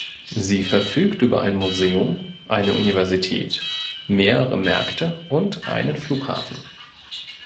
Sie verfügt über ein Museum, eine Universität, mehrere Märkte und einen Flughafen.